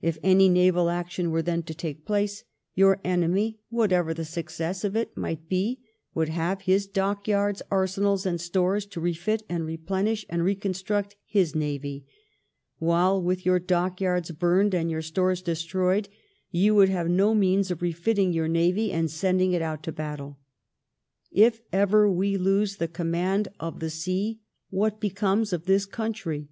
If any nayal action were then to take place, yonr enemy, whatever the success of it might be, would haye his dockyards, arsenals, and stores to refit and replenish and reconstruct his nayy; while, with your dockyards burned and your stores destroyed, you would haye no means of refitting your nayy and sending it out to battle. If ever we lose the command of the sea, what becomes of this country